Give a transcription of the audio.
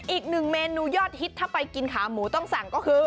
อีกหนึ่งเมนูยอดฮิตถ้าไปกินขาหมูต้องสั่งก็คือ